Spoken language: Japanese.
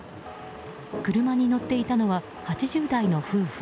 車に乗っていたのは８０代の夫婦。